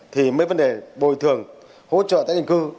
thì mấy vấn đề bồi thường hỗ trợ tái định cư